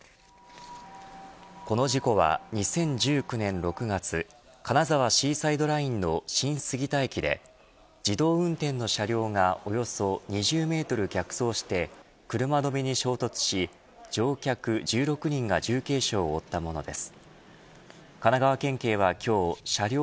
この事故は２０１９年６月金沢シーサイドラインの新杉田駅で自動運転の車両がおよそ２０メートル逆走して車止めに衝突し、乗客１６人が重軽傷を負ったものです。